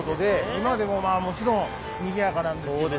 今でもまあもちろんにぎやかなんですけどね